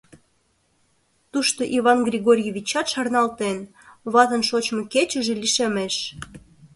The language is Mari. Тушто Иван Григорьевичат шарналтен: ватын шочмо кечыже лишемеш.